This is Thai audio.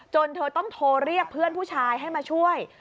เธอต้องโทรเรียกเพื่อนผู้ชายให้มาช่วย